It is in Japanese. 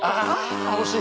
あ惜しい。